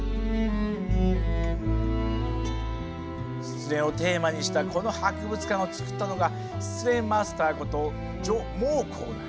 失恋をテーマにしたこの博物館を作ったのが失恋マスターこと徐孟光だ。